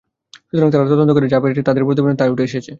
সুতরাং তারা তদন্ত করে যা পেয়েছে, তাদের প্রতিবেদনে তাই উঠে এসেছে।